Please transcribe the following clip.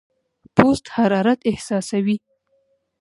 پوست حرارت احساسوي.